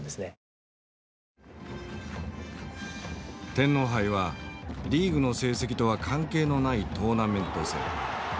天皇杯はリーグの成績とは関係のないトーナメント戦。